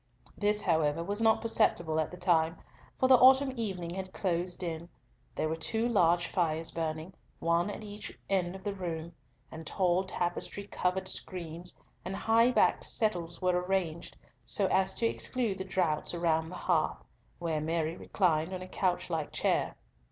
This, however, was not perceptible at the time, for the autumn evening had closed in; there were two large fires burning, one at each end of the room, and tall tapestry covered screens and high backed settles were arranged so as to exclude the draughts around the hearth, where Mary reclined on a couch like chair.